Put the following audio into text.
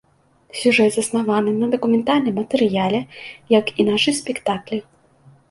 Сюжэт заснаваны на дакументальным матэрыяле, як і нашы спектаклі.